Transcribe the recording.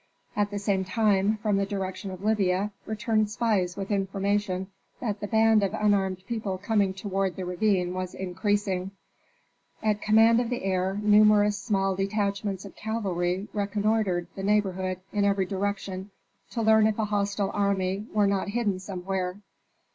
At the same time, from the direction of Libya, returned spies with information that the band of unarmed people coming toward the ravine was increasing. At command of the heir numerous small detachments of cavalry reconnoitred the neighborhood in every direction to learn if a hostile army were not hidden somewhere.